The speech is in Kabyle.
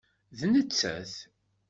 D nettat.